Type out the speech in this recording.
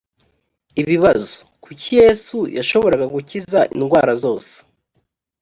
ibibazo kuki yesu yashoboraga gukiza indwara zose